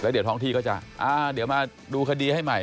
เดี๋ยวท้องที่ก็จะเดี๋ยวมาดูคดีให้ใหม่